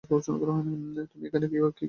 তুমি এখানে কী কীভাবে?